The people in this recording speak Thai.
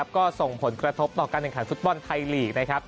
ก็ส่งผลกระทบต่อการแข่งขันฟุตบอลไทยลีกนะครับ